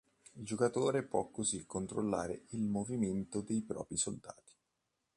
Il giocatore può così controllare il movimento dei propri soldati.